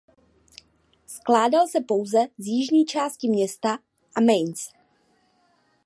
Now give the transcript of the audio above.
Skládal se pouze z jižní části města Amiens.